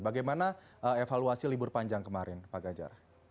bagaimana evaluasi libur panjang kemarin pak ganjar